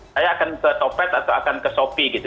saya akan ke topet atau akan ke shopee gitu